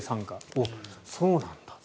お、そうなんだ。